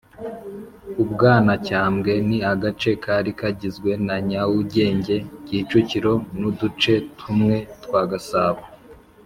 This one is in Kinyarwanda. Ubwanavyambwe Ni agace kari kagizwe na Nyaugenge, Kicukiro n’uduce tumwe twa Gasabo